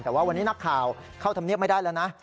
แต่ว่าวันนี้นักข่าวเข้าธรรมเนียบไม่ได้แล้วนะ